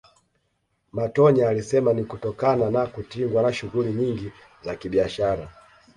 Matonya alisema ni kutokana na kutingwa na shughuli nyingi za kibiashara